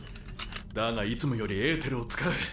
だがいつもよりエーテルを使う。